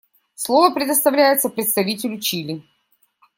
Слово предоставляется представителю Чили.